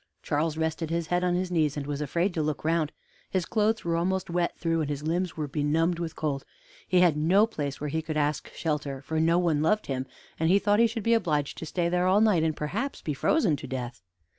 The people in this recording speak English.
Charles rested his head on his knees, and was afraid to look round; his clothes were almost wet through, and his limbs were benumbed with cold; he had no place where he could ask shelter, for no one loved him; and he thought he should be obliged to stay there all night, and perhaps be frozen to death.